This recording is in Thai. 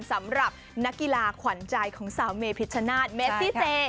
สำหรับนักกีฬาขวัญใจของสาวเมพิชชนาธิเมซี่เจ